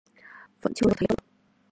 Vẫn chưa thấy được